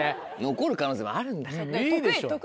残る可能性もあるんだから。